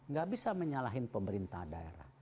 tidak bisa menyalahkan pemerintah daerah